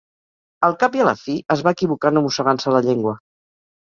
Al cap i a la fi, es va equivocar no mossegant-se la llengua.